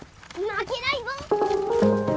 負けないぞ！